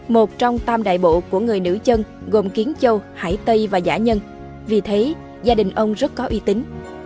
một trong tam đại bộ của người nữ chân gồm kiến châu hải tây và giả nhân vì thế gia đình ông rất có uy tín